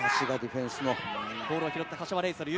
ボールを拾った柏レイソルＵ